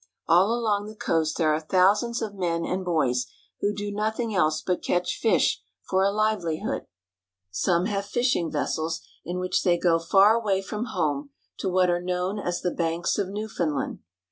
All along the coast there are thousands of men and boys who do nothing else but catch fish for a livelihood. Some CARP. N. AM.— 6 Trout Fishing. ss NEW ENGLAND. have fishing vessels, in which they go far away from home to what are known as the banks of Newfoundland.